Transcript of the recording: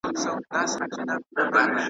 نه حبیب سته نه طبیب سته نه له دې رنځه جوړیږو .